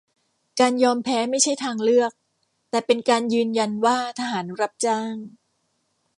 การยอมแพ้ไม่ใช่ทางเลือก แต่เป็นการยืนยันว่าทหารรับจ้าง